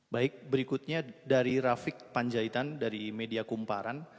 baik berikutnya dari rafik panjaitan dari media kumparan